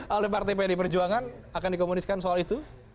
oleh partai pdi perjuangan akan dikomuniskan soal itu